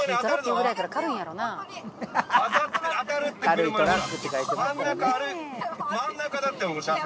真ん中だって車線。